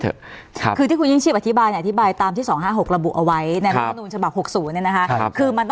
ถูกใช่มั้ย